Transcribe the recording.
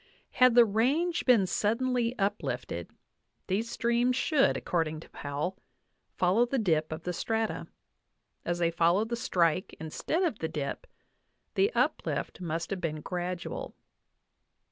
Had the range been suddenly uplifted, these streams should, according to Powell, follow the dip of the strata; as they follow the strike instead of the dip, the uplift must have been gradual.